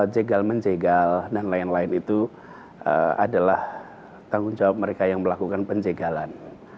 jegal menjegal dan lain lain itu adalah tanggung jawab mereka yang melakukan penjegalan